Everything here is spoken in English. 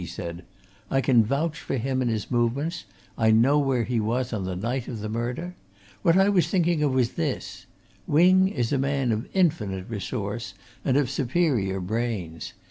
he said. "I can vouch for him and his movements I know where he was on the night of the murder. What I was thinking of was this Wing is a man of infinite resource and of superior brains.